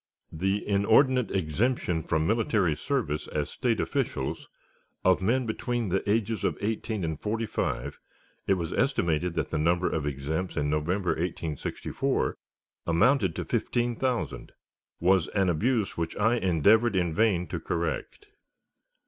The inordinate exemption from military service as State officials of men between the ages of eighteen and forty live (it was estimated that the number of exempts in November, 1864 amounted to fifteen thousand) was an abuse which I endeavored in vain to correct.